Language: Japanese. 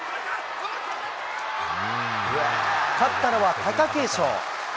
勝ったのは貴景勝。